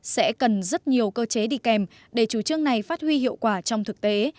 sẽ cần rất nhiều cơ chế đi kèm để chủ trương này phát huy hiệu quả trong thực tế